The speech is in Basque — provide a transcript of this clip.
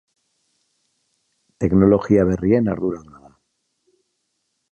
Teknologia berrien arduradun da.